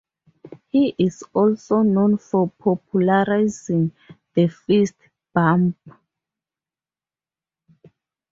He is also known for popularizing the fist bump.